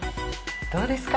どうですか？